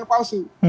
membuat laporan palsu